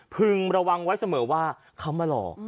พึงระวังไว้เสมอว่าเขามาหลอก